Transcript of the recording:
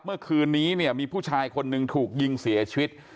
เมื่อคืนนี้เนี่ยมีผู้ชายคนหนึ่งถูกยิงเสียชีวิต